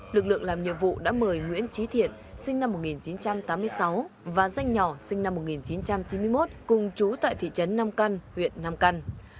lực lượng làm nhiệm vụ đã mời nguyễn trí thiện sinh năm một nghìn chín trăm tám mươi sáu và danh nhỏ sinh năm một nghìn chín trăm chín mươi một cùng chú tại thị trấn nam căn huyện nam căn